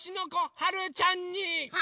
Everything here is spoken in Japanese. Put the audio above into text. はるちゃんに？